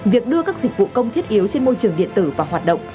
việc đưa các dịch vụ công thiết yếu trên môi trường điện tử vào hoạt động